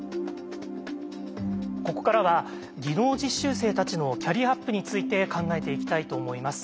ここからは技能実習生たちのキャリアアップについて考えていきたいと思います。